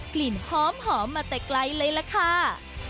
กลิ่นหอมมาแต่ไกลเลยล่ะค่ะ